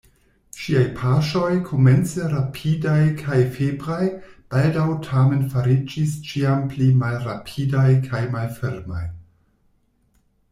Ŝiaj paŝoj, komence rapidaj kaj febraj, baldaŭ tamen fariĝis ĉiam pli malrapidaj kaj malfirmaj.